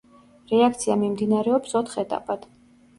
რეაქცია მიმდინარეობს ოთხ ეტაპად.